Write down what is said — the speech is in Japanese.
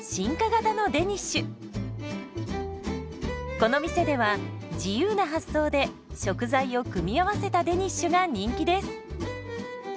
この店では自由な発想で食材を組み合わせたデニッシュが人気です。